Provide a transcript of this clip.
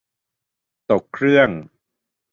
ตกเครื่อง